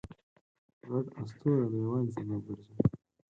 ګډ اسطوره د یووالي سبب ګرځي.